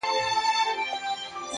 فقط د دوی له سترګو او ښاره ئې ورک کړي.